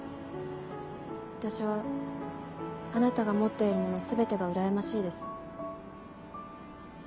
私はあなたが持っているもの全てがうらやましいです。